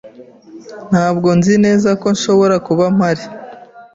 Ntabwo nzi neza ko nshobora kuba mpari.